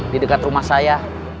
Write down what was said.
di dekat rumah saya